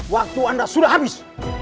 waktu anda sudah habis